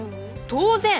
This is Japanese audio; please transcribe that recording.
当然！